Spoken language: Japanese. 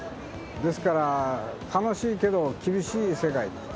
ですから、楽しいけど厳しい世界ですね。